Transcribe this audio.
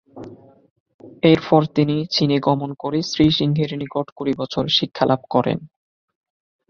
এরপর তিনি চীনে গমন করে শ্রী সিংহের নিকট কুড়ি বছর শিক্ষা লাভ করেন।